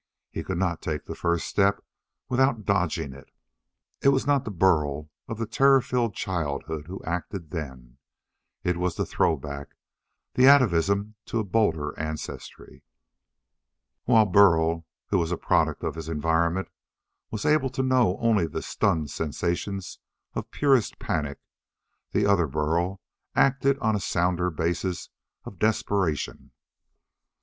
He could not take the first step without dodging it. It was not the Burl of the terror filled childhood who acted then. It was the throw back, the atavism to a bolder ancestry. While the Burl who was a product of his environment was able to know only the stunned sensations of purest panic, the other Burl acted on a sounder basis of desperation.